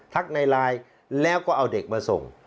ในไลน์แล้วก็เอาเด็กมาส่ง